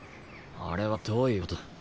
あれはどういうことだ？